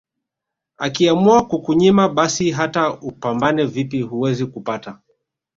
Akiamua kukunyima basi hata upambane vipi huwezi kupata